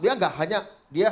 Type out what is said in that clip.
dia hanya gak ada